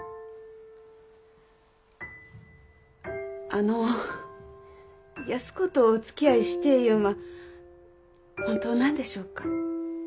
あの安子とおつきあいしてえいうんは本当なんでしょうか？